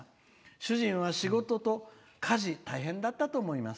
主人は仕事と家事大変だったと思います。